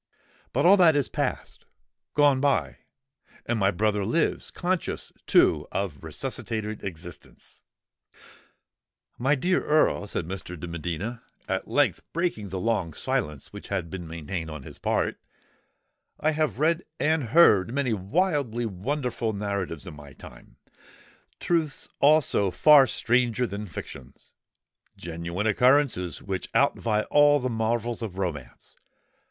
But all that is passed—gone by; and my brother lives—conscious, too, of resuscitated existence!" "My dear Earl," said Mr. de Medina, at length breaking the long silence which had been maintained on his part, "I have read and heard many wildly wonderful narratives in my time,—truths also far stranger than fictions,—genuine occurrences which outvie all the marvels of romance.